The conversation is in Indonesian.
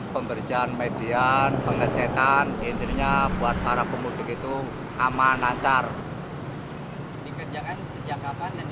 dikerjakan sejak kapan dan ditargetkan kapan pak